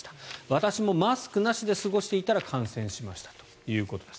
私もマスクなしで過ごしていたら感染しましたということです。